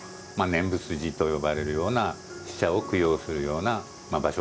念仏寺と呼ばれるような死者を供養するような場所